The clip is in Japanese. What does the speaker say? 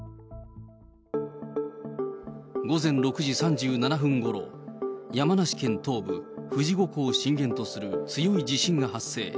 午前６時３７分ごろ、山梨県東部、富士五湖を震源とする強い地震が発生。